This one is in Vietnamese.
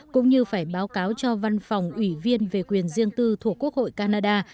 cũng như phải báo cáo cho văn phòng ủy viên về quyền riêng tư thuộc quốc hội canada